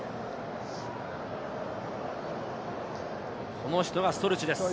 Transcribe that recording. この人がストルチです。